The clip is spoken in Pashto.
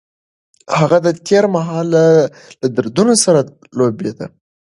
هغه د تېر مهال له دردونو سره لوبېده.